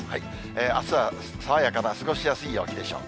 あすは爽やかな過ごしやすい陽気でしょう。